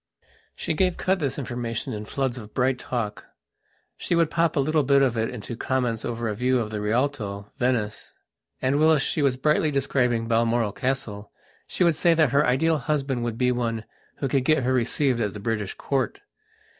She gave out this information in floods of bright talkshe would pop a little bit of it into comments over a view of the Rialto, Venice, and, whilst she was brightly describing Balmoral Castle, she would say that her ideal husband would be one who could get her received at the British Court.